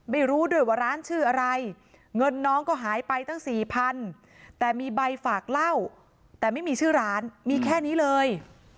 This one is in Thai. ไม่รู้ด้วยว่าร้านชื่ออะไรเงินน้องก็หายไปตั้งสี่พันแต่มีใบฝากเล่าแต่ไม่มีชื่อร้านมีแค่นี้เลย